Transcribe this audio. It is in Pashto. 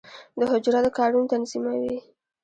د حجره د کارونو تنظیموي.